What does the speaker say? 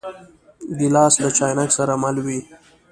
ګیلاس له چاینک سره مل وي.